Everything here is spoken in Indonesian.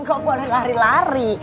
gak boleh lari lari